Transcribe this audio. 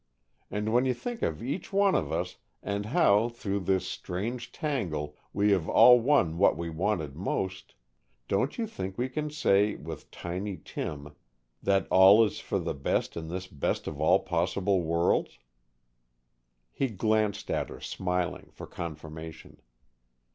And when you think of each one of us, and how, through this strange tangle, we have all won what we wanted most, don't you think we can say, with Tiny Tim, that all is for the best in this best of all possible worlds?" He glanced at her, smiling, for confirmation.